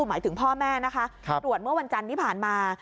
หมายถึงพ่อแม่นะคะตรวจเมื่อวันจันทร์ที่ผ่านมา